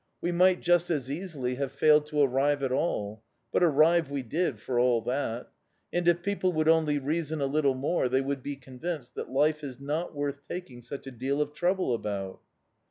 We might just as easily have failed to arrive at all; but arrive we did, for all that. And if people would only reason a little more they would be convinced that life is not worth taking such a deal of trouble about.